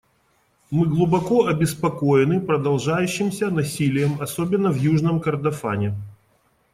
Мы глубоко обеспокоены продолжающимся насилием, особенно в Южном Кордофане.